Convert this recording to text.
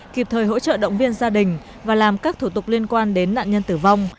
kịp thời hỗ trợ động viên gia đình và làm các thủ tục liên quan đến nạn nhân tử vong